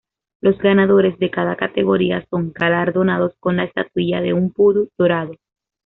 Los ganadores de cada categoría son galardonados con la estatuilla de un pudú dorado.